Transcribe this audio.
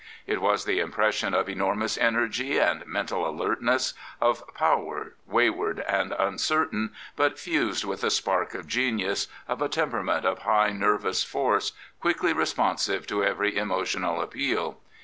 ^ It was the impression of enormous energy and ^ mental alertness, of power, wayward and uncertain, but fused with a spark of genius, of a temperament , of high nervous force, quickly responsive to every ^ emotional appeal.